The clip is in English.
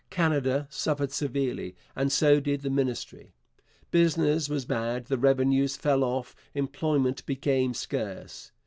Canada suffered severely; and so did the Ministry. Business was bad, the revenues fell off, employment became scarce.